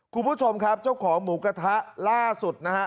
คุณผู้ชมครับเจ้าของหมูกระทะล่าสุดนะฮะ